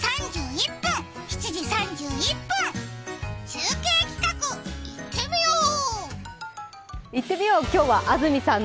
中継企画、いってみよう！